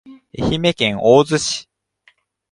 愛媛県大洲市